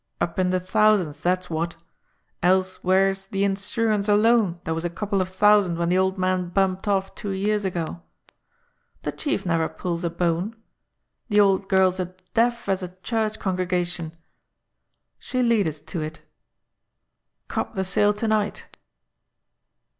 ... Up in the thousands, that's what; else where's the in surance alone that was a couple of thousand when the old man bumped off two years ago ?... The Chief never pulls a bone. ... The old girl's as deaf as a church congrega tion. ... She'll lead us to it. ... Cop the sale to night.